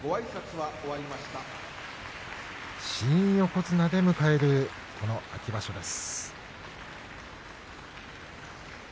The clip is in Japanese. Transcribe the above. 新横綱で迎える秋場所です。